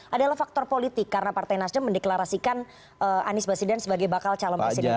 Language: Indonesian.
adalah faktor politik karena partai nasdem mendeklarasikan anies baswedan sebagai bakal calon presiden